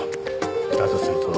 だとすると。